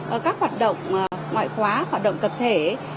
ở các hoạt động ngoại khóa hoạt động tập thể